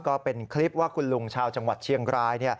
ก็เป็นคลิปว่าคุณลุงชาวจังหวัดเชียงราย